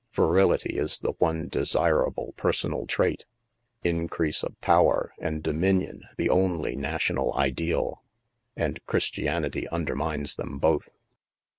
Virility is the one desirable personal trait, increase of power and dominion the only national ideal ; and Christianity undermines them both."